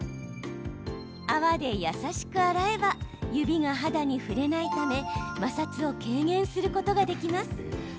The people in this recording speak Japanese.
泡で優しく洗えば指が肌に触れないため摩擦を軽減することができます。